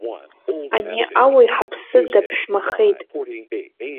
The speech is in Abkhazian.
Ани ауаҩ ҳаԥсы даԥшәмахеит.